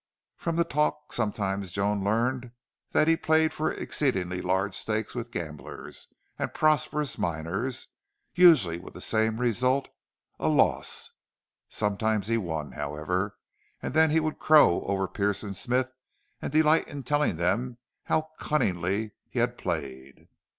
From the talk sometimes Joan learned that he played for exceedingly large stakes with gamblers and prosperous miners, usually with the same result a loss. Sometimes he won, however, and then he would crow over Pearce and Smith, and delight in telling them how cunningly he had played.